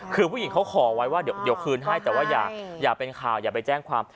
คือผู้หญิงเขาขอไว้ว่าเดี๋ยวคืนให้แต่ว่าอย่าเป็นข่าวอย่าไปแจ้งความ